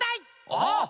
あっ！